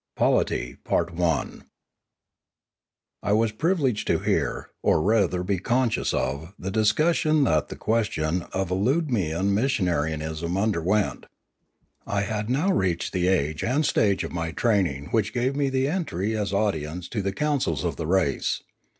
CHAPTER IX POLITY I WAS privileged to hear, or rather to be conscious of, the discussion that the question of idlutnian missionaryism underwent. I had now reached the age and stage of my training which gave me the entry as audience to the councils of the race.